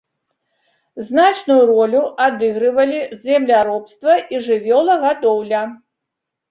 Значную ролю адыгрывалі земляробства і жывёлагадоўля.